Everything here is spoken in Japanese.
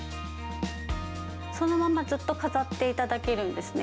そのままずっと飾っていただけるんですね。